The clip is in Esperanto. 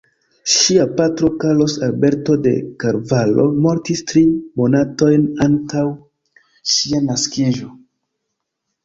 Ŝia patro Carlos Alberto de Carvalho mortis tri monatojn antaŭ ŝia naskiĝo.